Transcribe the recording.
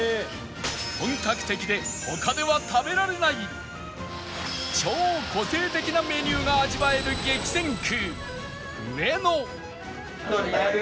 本格的で他では食べられない超個性的なメニューが味わえる激戦区上野